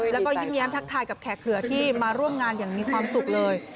แล้วก็ยิ้มแย้มทักทายกับแขกเหลือที่มาร่วมงานอย่างมีความสุขเลย